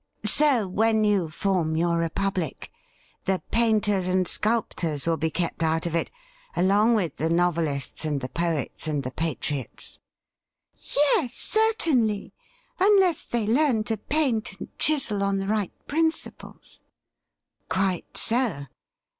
So when you form your republic, the painters • and sculptors will be kept out of it, along with the uovelists, and the poets, and the patriots i" CLELIA VINE 5a * Yes, certainly, unless they learn to paint and chisel on the right principles.' ' Quite so.